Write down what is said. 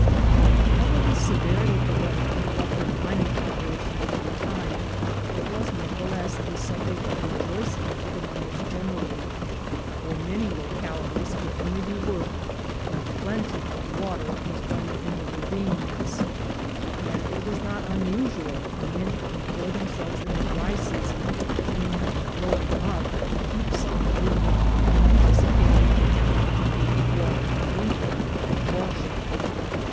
Although the severity of the weather interrupted mining operations for the time, it was nevertheless a subject of rejoicing to the miners generally, for many localities could only be worked when plenty of water was running in the ravines, and it was not unusual for men to employ themselves in the dry season in "throwing up" heaps of dirt, in anticipation of hav ing plenty of water in winter to wash it.